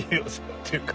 っていうか。